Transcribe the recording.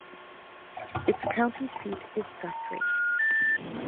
Its county seat is Guthrie.